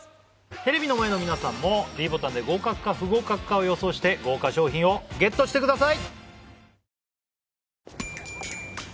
テレビの前の皆さんもｄボタンで合格か不合格かを予想して豪華賞品をＧＥＴしてください